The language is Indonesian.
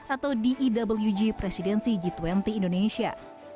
atau dewg presidensi g dua puluh indonesia